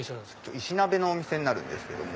石鍋のお店になるんですけども。